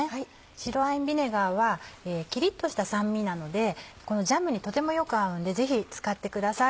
白ワインビネガーはキリっとした酸味なのでこのジャムにとてもよく合うのでぜひ使ってください。